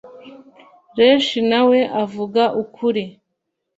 Reshi nawe avuga ukuri